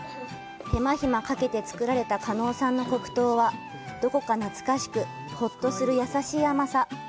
手間暇かけて作られた叶さんの黒糖は、どこか懐かしく、ほっとする優しい甘さ。